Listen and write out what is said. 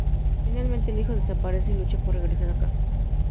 Finalmente, el hijo desaparece, y lucha por regresar a casa.